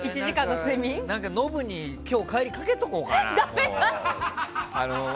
ドアノブに今日帰りにかけとこうかな。